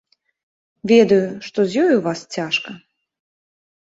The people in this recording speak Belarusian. Ведаю, што з ёй у вас цяжка.